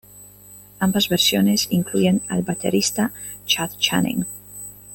Ambas versiones incluyen al baterista Chad Channing.